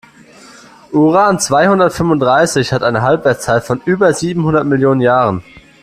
Uran-zweihundertfünfunddreißig hat eine Halbwertszeit von über siebenhundert Millionen Jahren.